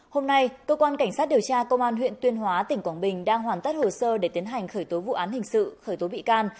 hôm nay cơ quan cảnh sát điều tra công an huyện tuyên hóa tỉnh quảng bình đang hoàn tất hồ sơ để tiến hành khởi tố vụ án hình sự khởi tố bị can